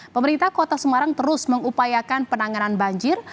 pemerintah kota semarang terus mengupayakan penanganan banjir